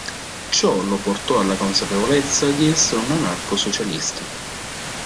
Ciò lo portò alla consapevolezza di essere un anarco-socialista.